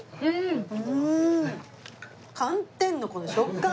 寒天のこの食感！